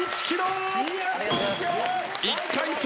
１回戦